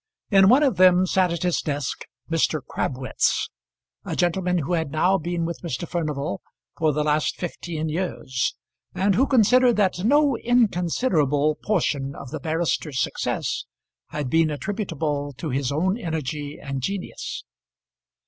In one of them sat at his desk Mr. Crabwitz, a gentleman who had now been with Mr. Furnival for the last fifteen years, and who considered that no inconsiderable portion of the barrister's success had been attributable to his own energy and genius.